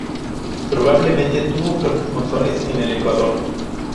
Probablemente tuvo fuertes monzones en el Ecuador.